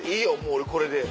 俺これで。